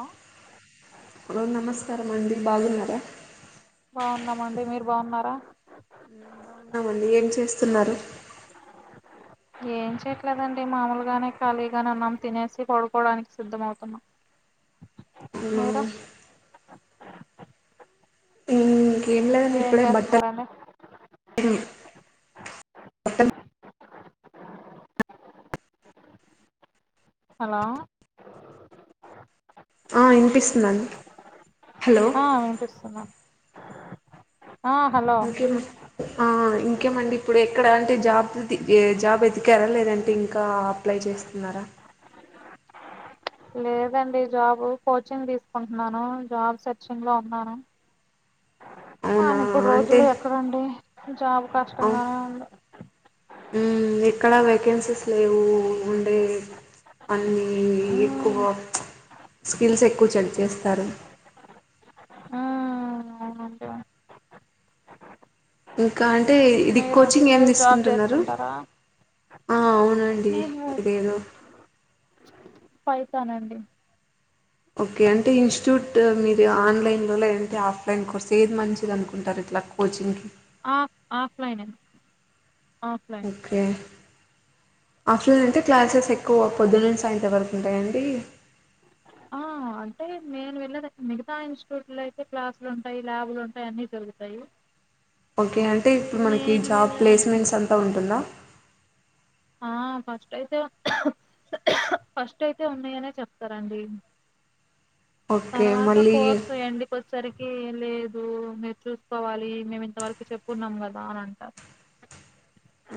ఆ హలో నమస్కారం అండి బాగున్నారా న్నామండి మీరు బావున్నారా స్తున్నారు ఏం చేయట్లేదండి మామూలుగానే ఖాళీగానే ఉన్నాం తినేసి పడుకోవడానికి సిద్ధం అవుతున్నాం అవునా మీరు ఉ ఏం లేదండి మీరేం ఇప్పుడే బట్టర్ చేస్తున్నారండి రు హలో ఆ ఇనిపిస్తుందండి ఆ వినిపిస్తున్నాం ఆ హలో ఇంకేం ఆ ఇంకేమండి ఇప్పుడు ఎక్కడ అంటే జాబ్ వృత్తి జాబ్ ఎతిగారా లేదంటే ఇంకా అప్లై చేస్తున్నారా లేదండి జాబు కోచింగ్ తీసుకుంటున్నాను జాబ్ సెర్చింగ్ లో ఉన్నాను అవునా కానీ ఇప్పుడు అంటే రోజులు ఎక్కడండి జాబు అవును కష్టంగానే ఉంది ఎక్కడ వేకెన్సీస్ లేవు అండీ అన్ని ఎక్కువ ఉమ్ ప్చ్ స్కిల్స్ ఎక్కువ చెల్ చేేస్తారు ఉమ్ అవునండి ఇంకా అంటే ఇది మీరు కోచింగ్ ఏం మీరు జాబ్ తీసుకుంటున్నారు చేస్తుంటారా అండి నేను ఇదేదో ఫైతానండి ఓకే అంటే ఇన్స్టిట్యూట్ మీరు ఆన్లైన్ లో లేదంటే ఆఫ్లైన్ కోర్స్ ఏది మంచిది అనుకుంటారు ఇట్లా కోచింగ్ కి ఆ ఆఫ్లైన్ ఏ ఓకే ఆఫ్టర్నూన్ అంత క్లాసెస్ ఎక్కువ పొద్దున్నంచి సాయంత వరకు ఉంటాయంండి ఆ అంటే నేను వెళ్ళ మిగతా ఇన్స్టిట్యూట్ లో అయితే క్లాసులు ఉంటాయి ల్యాబులు ఉంటాయి అన్ని జరుగుతాయి ఓకే అం అంటే ఇప్పుడు మనకి నేను జాబ్ వెళ్ళే దగ్గర ప్లేస్మెంట్స్ అంతా ఉంటుందా ఆ ఫస్ట్ అయితే ఫస్ట్ అయితే ఉన్నాయనే చెప్తారండి ఓకే తర్వాత మళ్ళీ కోర్సు ఎండ్ కొచ్చసరికి లేదు మీరు చూసుకోవాలి మేము ఇంతవరకు చెప్పున్నాం కదా అని అంటారు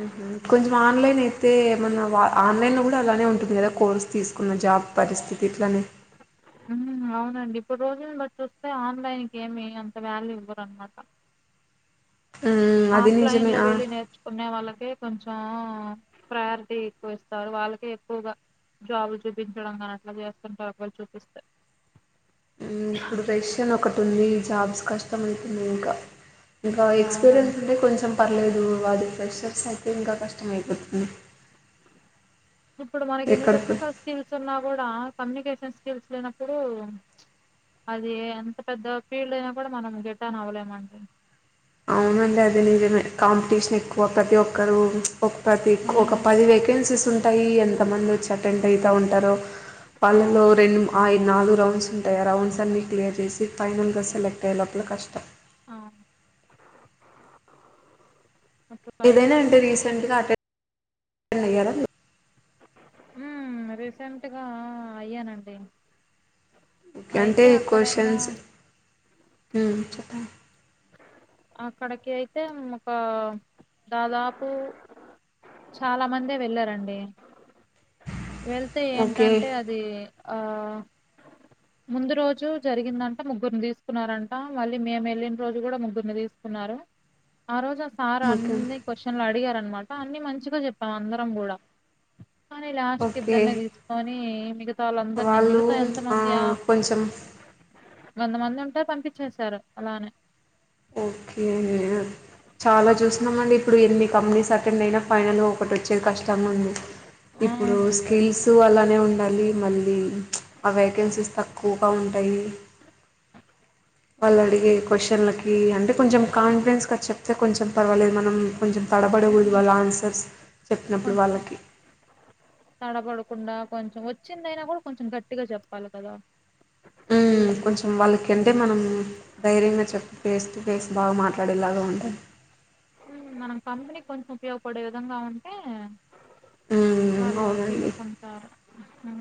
ఊహు కొం ఆన్లైన్ అయితే మన ఆన్లైన్ లో అలానే ఉంటుంది కదా కోర్స్ తీసుకున్న జాబ్ పరిస్థితి ఇట్లానే ఊ అవునండి ఇప్పుడు రోజుని బట్ చూస్తే ఆన్లైన్కి ఏమి అంత వ్యాల్యూ ఇవ్వరు అన్నమాట అది ఆఫ్లైన్ నిజమే లో ఆ! వెళ్ళి నేర్చుకునే వాళ్ళకే కొంచెం ఆ ప్రయారిటీ ఎక్కువ ఇస్తారు వాళ్ళకి ఎక్కువగా జాబులు చూపించడం కానీ అట్లా చేస్తుంటరు ఒక వేళ చూపిస్తే ఇప్పుడు రష్యన్ ఒకటి ఉంది జాబ్స్ కష్టం ఇంకా ఇంకా అవునండి ఎక్స్పీరియన్స్ అంటే కొంచెం పర్లేదు అది ఫ్రెషర్స్ అయితే ఇంకా కష్టం అయిపోతుంది ఇప్పుడు మనకి ఎన్ని ఎక్కడ పో టెక్నికల్ స్కిల్స్ ఉన్నా కూడా కమ్యూనికేషన్ స్కిల్స్ లేనప్పుడు ప్చ్ అది ఎంత పెద్ద ఫీల్డ్ అయినా కూడా మనం గెట్టాన్ అవ్వలేమండి అవునులే అది నిజమే కాంపిటీషన్ ఎక్కువ ప్రతి ఒక్కరు ఒక ప్రతి ఆ ఒక పది వేకెన్సీస్ ఉ తయ్యల్ ఎంత మంది వచ్చి అటెండ్ అయితా ఉంటారొ వాళ్ళలో అవును రెం అయి నాలుగు రౌండ్స్ ఉంటాయి ఆ రౌండ్స్ అన్ని క్లియర్ చేసి ఫైనల్ సెలక్ట్ అయ్యే లోపల కష్టం ఆ ఏదైనా ఉంటే రీసెంట్ గా... అటెం డెన్స్ ఎయ్యల మీరు రీసెంట్ గా అయ్యానండి అంటే అయితే అక్కడేమో క్వశ్చన్స్ మ్... చెప్పండి అక్కడకి అయితే ఒక దాదాపు చాలా మందె వెళ్ళారండి వెళ్ తే ఓకే ఏంటంటే అది ఆ ముందు రోజు జరిగిందంట ముగ్గురుని తీసుకున్నారంట మళ్ళీ మేము వెళ్ళిన రోజు కూడా ముగ్గురుని తీసుకున్నారు ఆ రోజు సార్ ఓకే అన్ని క్వశ్చన్లు అడిగారు అనమాట అన్ని మంచిగా చెప్పాం అందరం కూడా కానీ లాస్ట్ కి ఓకే ఇద్దరినే తీసుకొని మిగతా వాళ్ళందరినీ వాళ్ళు మిగతా ఎంత మంది ఆ వంద మంది ఉంట టె పంపించేశారు అలానే ఓకే అం చాలా చూసన్నాామ అండి ఇప్పుడు ఎన్ని కంపెనీస్ అటెండ్ అయినా ఫైనల్ ఒకటి వచ్చేది కష్టం ఉంది ఇప్పుడు అవునండి స్కిల్స్ అలానే ఉండాలి మళ్ళీ ఆ వేకెన్సీస్ తక్కువగా ఉంటాయి వాళ్ళు అడిగే క్వశ్చన్లకి ఈ అంటే కొంచెం కాన్ఫిడెన్స్గా చెప్తే కొంచెం పర్వాలేదు మనం కొంచెం తడబడకూడదు ఉమ్ వాళ్ళ ఆన్సర్స్ చెప్పినప్పుడు కొంచెం వాళ్ళకి తడబడకుండా కొంచెం వచ్చిందైనా కూడా కొంచెం గట్టిగా చెప్పాలి కదా కొంచెం వాళ్ళక ఉమ్ అంటే మనము ధైర్యంగా చెప్పి ఫేస్ టు ఫేస్ బాగా మాట్లాడేలాగా ఉంటది మనం కంపెనీ కొంచెం ఉపయోగపడే విధంగా ఉంటే హ్మ్ వాళ్ళు అవునండి తీసుకుంటారు అ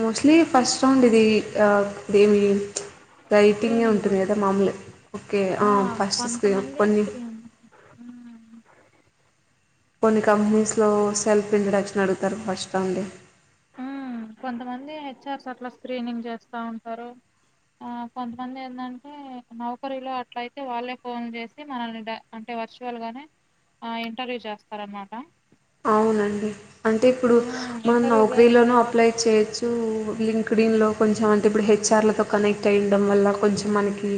మోస్ట్లీ ఫస్ట్ రౌండ్ ఇదిఏమీ రైటింగే స్క్రీనింగ్ ఉంటుంది కదా మామూలు ఓకే ఫస్ట్ స్క్రీన్ కొన్ని అ కొన్ని కంపెనీస్లో సెల్ఫ్ ఇంట్రొడక్షన్ అడుగుతారు ఫస్ట్ అండి హచ్ఆర్స్ అట్లా స్క్రీనింగ్ చేస్తా ఉంటారు కొంతమంది ఏంటంటే నౌకరీలో అట్లయితే వాళ్ళే ఫోన్ చేసి మనల్ని అంటే వర్చువల్గానే ఇంటర్వ్యూ చేస్తారనమాట అవునండి అంటే ఇప్పుడు మనం ఇంటర్వ్యూ చేసిన నౌకరీలోనూ తర్వాత అప్లై చేయొచ్చు లింక్ డింన్న్లొ కొంచెం అంటే ఇప్పుడు హెచ్ఆర్ లతో కనెక్ట్ అయి ఉండటం వల్ల కొంచెం మనకి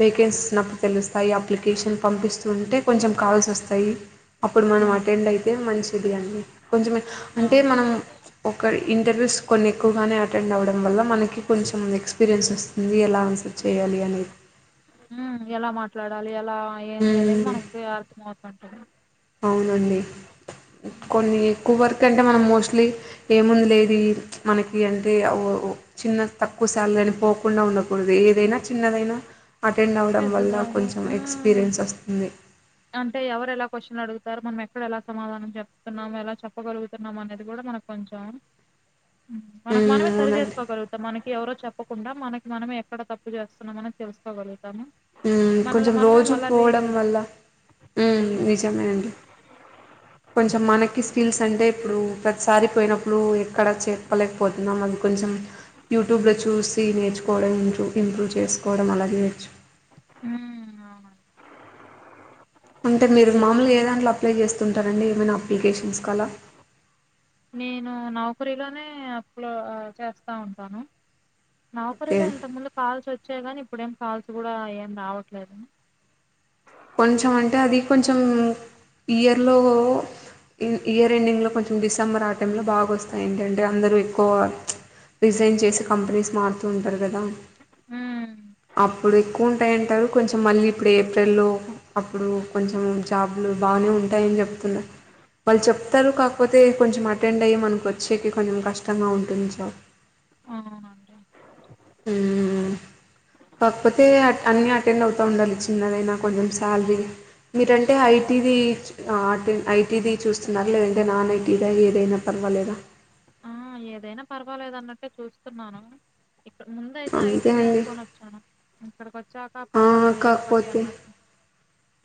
వేకెన్సీస్ తెలుస్తాయి అప్లై కేషన్ పంపిస్తూంటే కొంచెం కాల్స్ వస్తాయి అప్పుడు మనం అవును, అటెండ్ అయి అయితే మంచిది అని కొంచెం అంటే అవును. మనం ఒక ఇంటర్వ్యూస్ కొన్ని ఎక్కువగానే అటెండ్ అవడం వల్ల మనకి కొంచెం ఎక్స్పీరియన్స్ వస్తుంది ఎలా ఆన్సర్ చేయాలి అనేది ట్లాడాలి ఎలా ఏంది అనేది హ్మ్. మనకి అర్థం అవుతుంది [unintelligible] అవునండి కొన్ని ఎక్కువ వర్క్ అంటే మనం మోస్ట్లీ ఏముంది లేదు మనకి అంటే చిన్న తక్కువ సాలరీ అని పోకుండా ఉండకూడదు ఏదైనా చిన్నదైనా అటెండ్ అవ్వడం వల్ల కొంచెం ఎక్స్‌పీరియన్స్ వస్తుంది. అంటే ఎవరెలా క్వశ్చన్లు అడుగు తారు మనం ఎక్కడ ఎలా సమాధానం చెప్తున్నాం ఎలా చెప్పగలుగుతున్నాం అనేది కూడా మనకు కొంచెం మనకు హ్మ్. మనమే సరి అవునండి. చేసుకోగలుగుతాం మనకి ఎవరో చెప్ప చెప్పకుండా మనకి మనమే ఎక్కడ తప్పు చేస్తున్నాం అనేది తెలుసుకోగలు తము హ్మ్ కొంచెం రోజు పోవడం వల్ల హ్మ్ నిజమేనండి కొంచెం హ్మ్. మనకి స్కిల్స్ అంటే ఇప్పుడు ప్రతిసారి పోయినప్పుడు ఎక్కడ చే చెప్పలేకపోతున్నాం అది కొంచెం యూట్యూబ్లో చూసి కీ నేర్చుకోవడం ఇంచు ఇంప్రూవ్ చేసుకోవడం అలాగే చేయొచ్చు హ్మ్ అవును అంటే మీరు మామూలుగా ఏ దాంట్లో అప్లై చేస్తుంటారండి ఏమైనా అప్లికేషన్స్ కి అలా నేను నౌకరీ లోనే అప్లోడ్ చేస్తా ఉంటాను ఓకే నౌకరిలో ఇంతకు ముందు కాల్స్ వచ్చాయి గాని ఇప్పుడేం కాల్స్ కూడా ఏం రావట్లేదు కొంచెం అంటే అది కొంచెం ఇయర్లో ఇ ఇయర్ ఎండింగ్లో కొంచెం డిసెంబర్ ఆ టైంలో బాగొస్తాయి, ఏంటంటే అందరూ ఎక్కువ ప్చ్ రిజైన్ చేసి కంపెనీస్ మారుతూ ఉంటారు గదా. హ్మ్. అప్పుడు ఎక్కువ ఉంటాయంటారు కొంచెం మళ్ళీ ఇప్పుడు ఏఫ్రెల్లో అప్పుడు కొంచెం జాబ్లు బానే ఉంటాయని చెప్తున్నరు. వాళ్ళు చెప్తారు కాకపోతే కొంచెం అటెండ్ అయ్యి మనకు వచ్చేకి కొంచెం కష్టంగా ఉంటుంది జాబ్. అవునండి. ఉమ్ కాకపోతే అన్నీ అటెండ్ అవుతూ ఉండాలి చిన్నదైనా కొంచెం శాలరీ మీరంటే ఐటీది అ ఐటీది చూస్తున్నారు లేదంటే నాన్ ఐటీదా ఏదైనా పర్వాలేదా, ఆ ఏదైనా పర్వాలేదు అన్నట్టే చూస్తున్నాను ఇక్కడ ముందు అయితే ఐటీ అంతే నే అండి అనుకొని వచ్చాను ఎక్కడ చ్చాక ఆ, పర్వాలేదు ఏదో ఒకటి కాకపోతే అన్నట్టు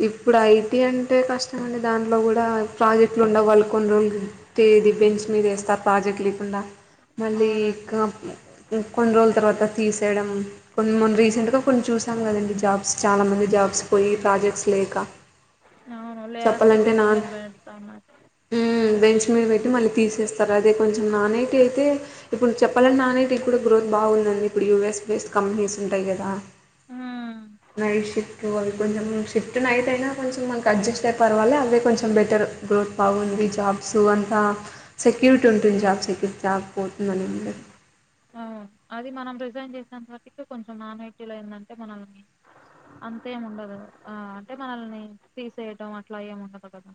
ఇప్పుడు ఐటీ అంటే కష్టం అండి దాంట్లో కూడా ప్రాజెక్ట్లు ఉండవు, వాళ్ళకు కొన్ని రోజులుట్టేది బెంచ్ మీద వేస్తారు ప్రాజెక్ట్ లేకుండా, మళ్ళీ అవునండి. ఇకా కొన్ని రోజుల తర్వాత తీసేయడం, కొన్ని మొన్న రీసెంట్గా కొన్ని చూసాం కదండి జాబ్స్ చాలామంది జాబ్స్ పోయి ప్రాజెక్ట్స్ లేక అవును. లేఆఫ్స్ చెప్పాలంటే బెంచ్ నాన్ మీద పెడతన్నారు. మ్మ్ బెంచ్ మీద పెట్టి హ్మ్. మళ్ళీ తీసేస్ సరే అదే కొంచెం నాన్ ఐటి అయితే ఇప్పుడు చెప్పాలని నాన్ ఐటి కూడా గ్రోత్ బాగుందండి. ఇప్పుడు యూ ఎస్ బేస్డ్ కంపెనీస్ ఉంటాయి కదా, హ్మ్. నైట్ షిఫ్ట్ అవి కొంచెం షిఫ్ అంటే నైట్ అయినా కొంచెం మనకు అడ్జస్ట్ అయి పర్వాలే, అంటే కొంచెం బెటర్ గ్రోత్ బాగుంది జాబ్స్ అంతా సెక్యూరిటీ హ్మ్. ఉంటుంది, జాబ్ సెక్యూరిటీ జాబ్ పోతుందని. అవును. అది మనం రిజైన్ చేసినంతటికి కొంచెం నాన్ ఐటీలో ఎందంటే మనల్ని అంతేమి ఉండదు, ఆ అంటే మనల్ని తీసేయటం అట్లా ఏమి ఉండదు కదా.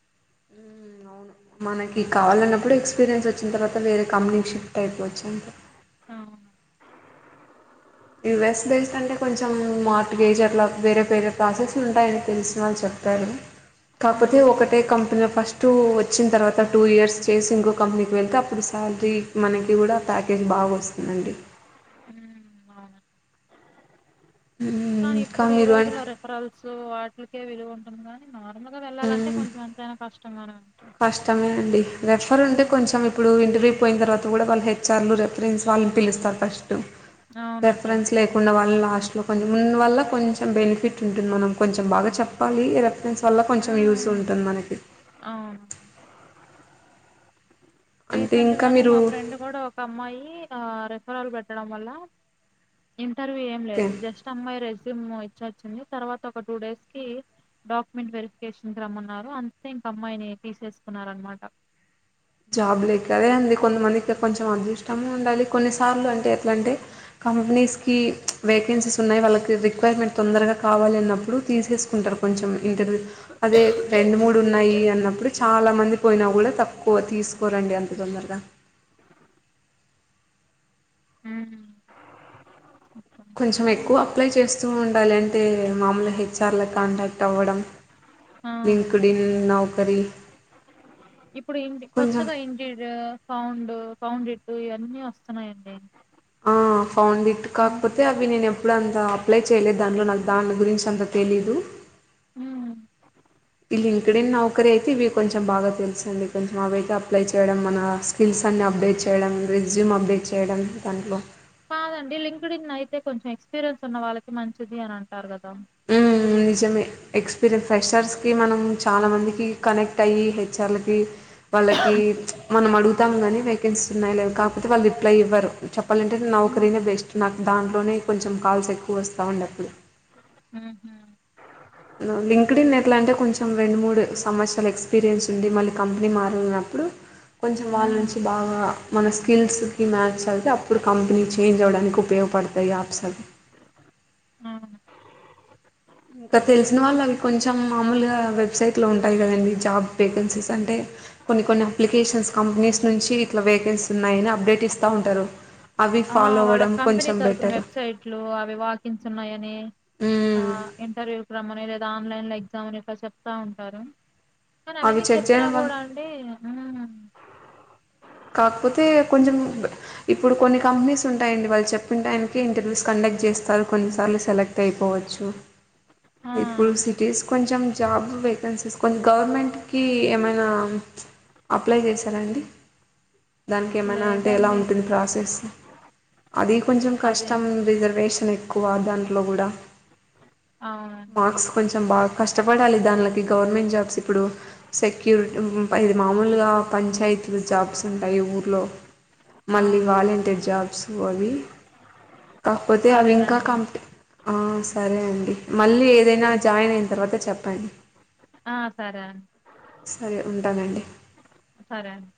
హ్మ్. అవును. మనకి కావాలన్నప్పుడు ఎక్స్పీరియన్స్ వచ్చిన తర్వాత వేరే కంపెనీకి షిఫ్ట్ అయిపోవచ్చు. అవును. యు. ఎస్ బేస్డ్ అంటే కొంచెం మార్ట్ గేజ్ అట్లా వేరే వేరే ప్రాసెస్లు ఉంటాయని తెలిసిన వాళ్ళు చెప్పారు. కాకపోతే హ్మ్. ఒకటే కంపెనీ ఫస్ట్ వచ్చిన తర్వాత టూ ఇయర్స్ చేసి, ఇంకో కంపెనీకి వెళ్తే అప్పుడు శాలరీ మనకి కూడా ప్యాకేజ్ బాగా వస్తుందండి. హ్మ్. అవును. మ్మ్ కానీ ఇంకా ఇప్పుడు ఈ మీరు అన్ రోజుల్లో రిఫరల్స్ వాటికే విలువ ఉన్ ఉంది గానీ నార్మల్ గా వెళ్లాలంటే కొంచెం ఎంతైనా కష్ టం మనా కష్టమే అండి రెఫర్ ఉంటే హ్మ్. కొంచెం ఇప్పుడు ఇంటర్వ్యూ పోయిన తర్వాత కూడా వాళ్ళ హెఆర్లు రెఫరెన్స్ వాళ్ళని పిలుస్తారు ఫస్ట్ అవునండి. రెఫరెన్స్ లేకుండా వా లాస్ట్లో కొంచెం ముందు వల్ల కొంచెం బెనిఫిట్ ఉంటుంది. మనం కొంచెం బాగా చెప్పాలి రెఫరెన్స్ వల్ల కొంచెం యూజ్ హ్మ్. ఉంటుంది మనకి. అవును. అంటే రీసెంట్ ఇంకా గానే మీరు మా ఫ్రెండ్ కూడా ఒక అమ్మాయి ఆ రె ఫరాల్ పెట్టడం వల్ల ఇం ఇంటర్వ్యూ ఏం ఓకే లేదు, జస్ట్ అమ్మాయి రెస్యూమ్ ఇచ్చచ్ చింది తర్వాత ఒక టూ డేస్ కి డాక్యుమెంట్ వెరిఫికేషన్ రమ్మన్నారు, అంతే ఇంక అమ్మాయిని తీసేసుకున్నరనమాట. జాబ్ లేక అదే అండి కొంతమందికి కొంచెం అదృష్టము ఉండాలి. కొన్నిసార్లు అంటే ఎట్లా అంటే కంపెనీస్కి వేకెన్సీస్ ఉన్నాయి, వాళ్ళకి రిక్వైర్మెంట్ తొందరగా కావాలి అన్నప్పుడు తీసేసుకుంటారు, కొంచెం ఇంటర్వ్యూస్ అదే రెండు మూడు ఉన్నాయి అన్నప్పుడు చాలామంది పోయినా కూడా తక్. కో తీసుకోరండి అంత తొందరగా హ్మ్. కొంచెం ఎక్కువ అండి. అప్లై చేస్తూ ఉండాలి, అంటే మామూలు హెచ్ఆర్లకు కాంటాక్ట్ అవ్వడం ఆ! LinkedIn Naukri. ఇప్పుడు ఇ కొంచెం కొత్తగా ఇంటీరియర్ సౌండ్ పౌండ్ ఇట్టు ఇవన్నీ వస్తున్నాయండి ఆ ఫౌండ్ ఇట్ హ్మ్. కాకపోతే అవి నేను ఎప్పుడు అంత అప్లై చేయలేదు, దానిలో నాకు దాన్ల గురించి అంత తెలీయదు. హ్మ్. ఈ లింక్డిన్, నౌకరీ అయితే ఇవి కొంచెం బాగా తెలుస్ అండి, కొంచెం అవి అయితే అప్లై చేయడం, మన స్కిల్స్ అన్ని అప్డేట్ చేయడం, రిజ్యూమ్ అప్డేట్ చేయడం దాంట్లో. కాదండి లింక్డిన్ అయితే కొంచెం ఎక్స్పీరియన్స్ ఉన్న వాళ్ళకి మంచిది అని అంటారు కదా. హ్మ్ నిజం ఎక్స్పీరియన్స్ ఫెషర్స్కి మనం చాలా మందికి కనెక్ట్ అయ్యి హెచ్ఆర్లకి వాళ్ళకి మనం అడుగుతాం, కానీ వేకెన్సీస్ ఉన్నా లేవు కాకపోతే వాళ్ళు రిప్లై ఇవ్వారు, చెప్పాలంటే ఉహు నౌకరీనే బెస్ట్ నాకు దాంట్లోనే కొంచెం కాల్స్ ఎక్కువ వస్తా ఉండే అప్పుడు. ఉమ్ లింక్డ్ ఇన్ ఎట్లా అంటే కొంచెం రెండు మూడు సంవత్సరాల ఎక్స్పీరియన్స్ ఉండి మళ్ళీ కంపెనీ మారలనప్పుడు, కొంచెం వాళ్ళ నుంచి బాగా మన స్కిల్స్కి మ్యాచ్ అయితే, అప్పుడు కంపెనీ చేంజ్ అవ్వడానికి ఉపయోగపడతాయి యాప్స్ అవి. అవును ఇంకా తెలిసిన వాళ్ళు అవి కొంచెం మామూలుగా వెబ్సైట్ లో ఉంటాయి కదండి, జాబ్ వేకెన్సీస్ అంటే కొన్ని కొన్ని అప్లికేషన్స్ కంపెనీస్ నుంచి ఇట్లా వేకెన్సీస్ ఉన్నాయని అప్డేట్ ఇస్తా ఉంటారు అవి. ఫాలో వాళ్ళ అవ్వడం కంపెనీ కొంచెం తరపున బెటర్ వెబ్సైట్లు అవి వాకింగ్స్ ఉన్నాయని ఆ ఇంటర్వ్యూ మని లేదా ఆన్లైన్ లో ఎగ్జామ్ అని ఇట్లా చెప్తా ఉంటారు కానీ అవి అవన్నీ చెక్ చెప్పినా చేయడం వల్ల కూడా అండి కాకపోతే కొంచెం ఇప్పుడు కొన్ని కంపెనీస్ ఉంటాయండి, వాళ్ళు చెప్పిన టైకి ఇంటర్వ్యూస్ కండక్ట్ చేస్తారు కొన్నిసార్లు సెలెక్ట్ అయిపోవచ్చు. ఆ ఇప్పుడు సిటీస్ కొంచెం జాబ్ వేకెన్సీస్ కొంచం, గవర్నమెంట్కి ఏమైనా అప్లై చేశారా అండి. దానిక్ ఏమనా అంటే ఎలా లేదండి ఉంటుంది ప్రాసెస్ అది కొంచెం అదే కష్టం రిజర్వేష్ ను ఎక్కువ దాంట్లో కూడా ఆవ్ న్ మార్క్స్ కొంచెం బాగా కష్టపడాలి దానిలోకి గవర్నమెంట్ జాబ్స్ ఇప్పుడు సెక్యూరి ఇది మామూలుగా పంచాయతీల జాబ్స్ ఉంటాయి ఊర్లో మళ్ళీ అవునండి వాలంటర్ జాబ్స్ అవి కాకపోతే అవి ఇంకా సరేనండి కంపి ఆ సరే అండి మళ్ళీ ఏదైనా జాయిన్ అయిన తర్వాత చెప్పండి ఆ సరే సరే ఉంటానండి సరే అండి